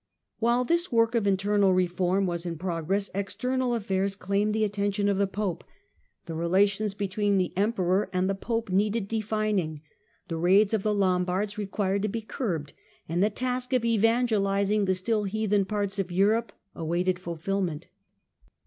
While this work of internal reform was in progress, external affairs claimed the attention of the Pope. The relations between the Emperor and the Pope needed defining, the raids of the Lombards required to be curbed, and the task of evangelising the still heathen parts of Europe awaited fulfilment.